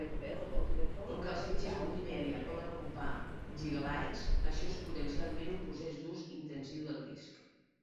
Com que els fitxers multimèdia poden ocupar gigabytes, això és potencialment un procés d'ús intensiu del disc.